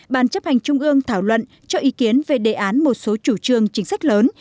một mươi một bàn chấp hành trung ương thảo luận cho ý kiến về đề án một số chủ trương chính sách lớn